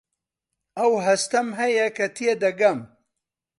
ئەو هەستەم هەیە کە تێدەگەم.